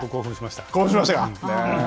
興奮しましたか？